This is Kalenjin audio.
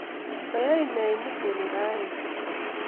Koyain ne imusu oli raini?